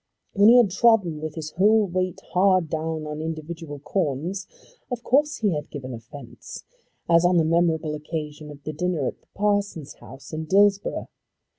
When he had trodden with his whole weight hard down on individual corns, of course he had given offence, as on the memorable occasion of the dinner at the parson's house in Dillsborough.